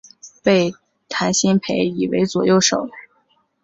被谭鑫培倚为左右手。